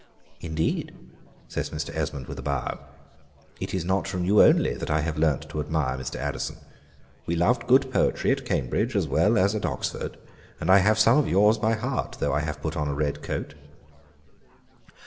"Indeed," says Mr. Esmond, with a bow, "it is not from you only that I have learnt to admire Mr. Addison. We loved good poetry at Cambridge as well as at Oxford; and I have some of yours by heart, though I have put on a red coat.